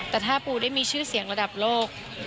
แต่ถ้าปูได้มีชื่อเสียงระดับโลก